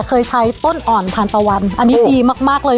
เคยใช้ต้นอ่อนทานตะวันอันนี้ดีมากมากเลย